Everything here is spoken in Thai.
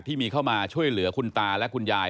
ที่มีเข้ามาช่วยเหลือคุณตาและคุณยาย